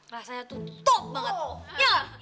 rasanya tuh top banget